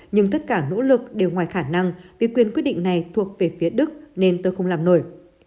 nhưng tất cả nỗ lực đều ngoài khả năng vì quyền quyết định này thuộc về phía đức nên tôi không làm nổi